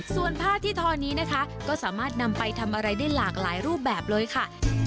ส่วนผ้าที่ทอนี้นะคะก็สามารถนำไปทำอะไรได้หลากหลายรูปแบบเลยค่ะ